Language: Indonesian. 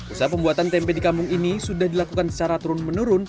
usaha pembuatan tempe di kampung ini sudah dilakukan secara turun menurun